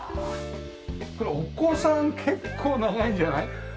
これお子さん結構長いんじゃない？